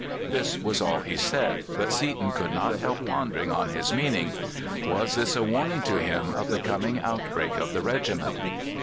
This was all he said, but Seaton could not help pondering on his meaning. Was this a warning to him of the coming outbreak of the regiment?